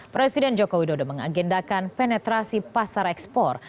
presiden joko widodo mengagendakan penetrasi pasar ekspor